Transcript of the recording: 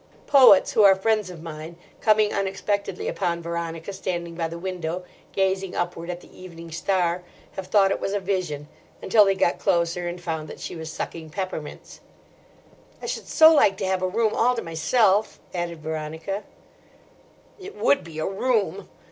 Poets who are friends of mine, coming unexpectedly upon Veronica standing by the window, gazing upward at the evening star, have thought it was a vision, until they got closer and found that she was sucking peppermints. "I should so like to have a room all to myself," added Veronica. "It would be a room!"